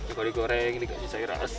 ini kalau digoreng ini dikasih sayuran es